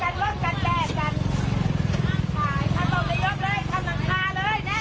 กำลังขายของอยู่หุบร่มกันแทนนะฮะ